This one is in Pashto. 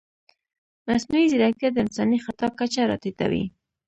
مصنوعي ځیرکتیا د انساني خطا کچه راټیټوي.